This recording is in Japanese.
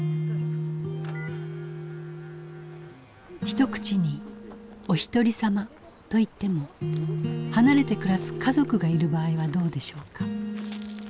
ひと口におひとりさまといっても離れて暮らす家族がいる場合はどうでしょうか？